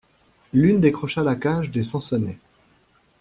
L'une décrocha la cage des sansonnets.